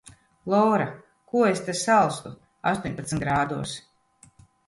Lora, ko es te salstu? Astoņpadsmit grādos?!